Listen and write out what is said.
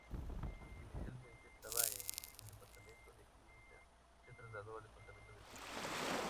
Aunque inicialmente estaba en el Departamento de Química, se trasladó al Departamento de Física.